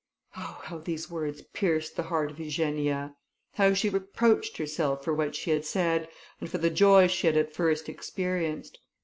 Oh, how these words pierced the heart of Eugenia! How she reproached herself for what she had said, and for the joy she had at first experienced.